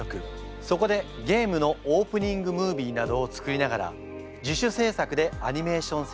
そこでゲームのオープニングムービーなどを作りながら自主制作でアニメーション制作を開始。